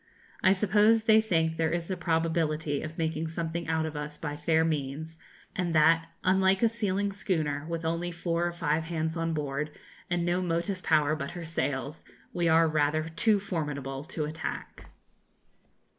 I suppose they think there is a probability of making something out of us by fair means, and that, unlike a sealing schooner, with only four or five hands on board, and no motive power but her sails, we are rather too formidable to attack.